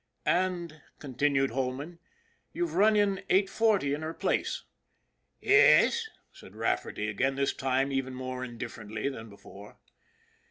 " And," continued Holman, " you've run in 840 in her place." " Yis," said Rafferty again, this time even more indifferently than before.